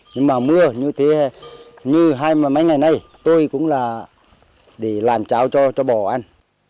nhưng mà mưa như thế như hai mấy ngày nay tôi cũng là để làm tráo cho cho bò ăn